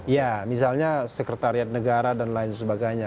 ya misalnya sekretariat negara dan lain sebagainya